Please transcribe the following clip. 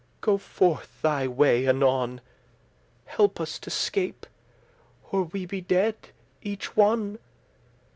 go forth thy way anon. Help us to scape, or we be dead each one.